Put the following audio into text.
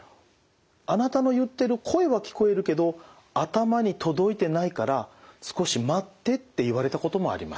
「あなたの言ってる声は聞こえるけど頭に届いてないから少し待って」って言われたこともあります。